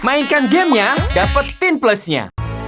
mainkan gamenya dapetin plusnya